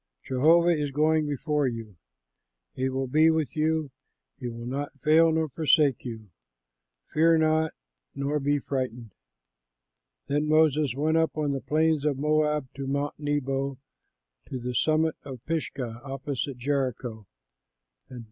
Jehovah is going before you; he will be with you, he will not fail nor forsake you; fear not, nor be frightened." Then Moses went up on the plains of Moab to Mount Nebo to the summit of Pisgah opposite Jericho.